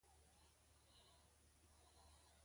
Ò rz-ímànɛ̀lè wórzíwàkɛ́.